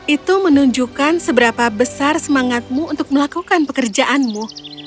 itu menunjukkan seberapa besar semangatmu untuk melakukan pekerjaanmu